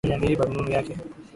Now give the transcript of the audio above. Nani ameiba rununu yake?